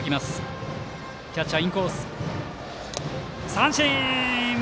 三振！